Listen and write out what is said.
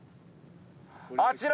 あちら？